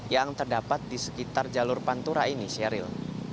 yang terdapat di sekitar jalur pantura ini sheryl